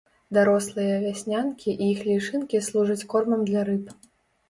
Дарослыя вяснянкі і іх лічынкі служаць кормам для рыб.